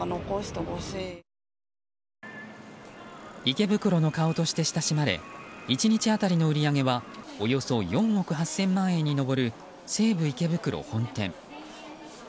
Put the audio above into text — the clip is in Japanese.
池袋の顔として親しまれ１日当たりの売り上げはおよそ４億８０００万円に上る西武池袋本店。